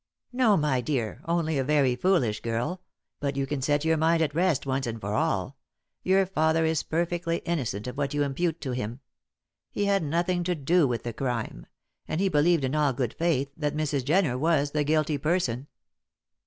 "No, my dear; only a very foolish girl. But you can set your mind at rest once and for all. Your father is perfectly innocent of what you impute to him. He had nothing do with the crime; and he believed in all good faith that Mrs. Jenner was the guilty person."